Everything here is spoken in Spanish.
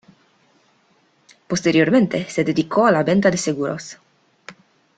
Posteriormente, se dedicó a la venta de seguros.